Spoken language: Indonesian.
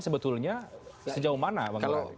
sebetulnya sejauh mana bang kalau